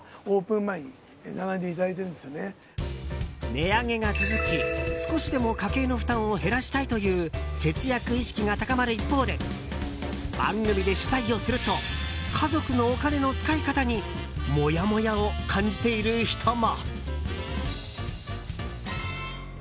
値上げが続き少しでも家計の負担を減らしたいという節約意識が高まる一方で番組で取材をすると家族のお金の使い方にモヤモヤを感じている人も。